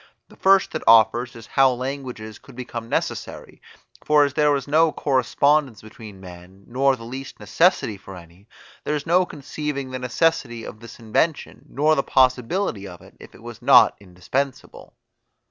The first that offers is how languages could become necessary; for as there was no correspondence between men, nor the least necessity for any, there is no conceiving the necessity of this invention, nor the possibility of it, if it was not indispensable.